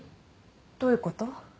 どういうこと？